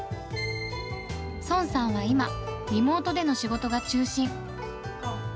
ソンさんは今、リモートでの仕事が中心。